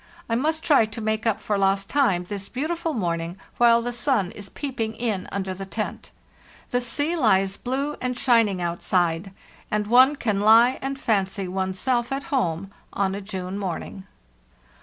I must try to make up for lost time this beautiful morning, while the sun is peeping in under the tent. The sea hes blue and shining outside, and one can lie and fancy one's self at home on a June morning."